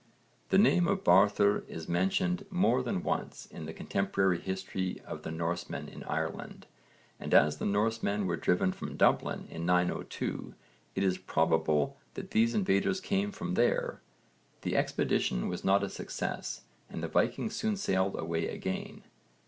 The name of Bárðr is mentioned more than once in the contemporary history of the Norsemen in Ireland, and as the Norsemen were driven from Dublin in 902 it is probable that these invaders came from there. The expedition was not a success and the Vikings soon sailed away again.